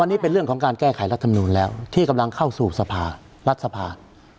วันนี้เป็นเรื่องของการแก้ไขรัฐมนูลแล้วที่กำลังเข้าสู่สภารัฐสภา